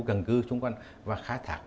cân cư xung quanh và khai thác